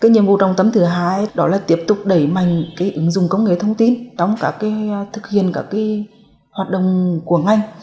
nhiệm vụ trong tấm thứ hai là tiếp tục đẩy mạnh ứng dụng công nghệ thông tin trong các thực hiện hoạt động của ngành